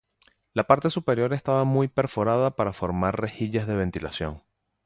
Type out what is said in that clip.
La parte superior estaba muy perforada para formar rejillas de ventilación.